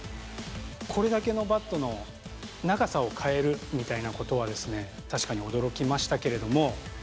これだけのバットの長さを変えるみたいなことは、確かに驚きましたけれども。